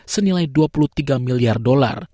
senilai dua puluh tiga miliar dolar